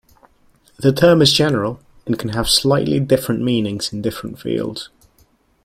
The term is general and can have slightly different meanings in different fields.